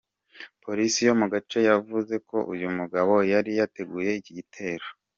Polisi yo mu gace yavuze ko uyu mugabo yari yateguye iki gitero.